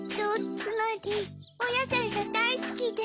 つまりおやさいがだいスキで。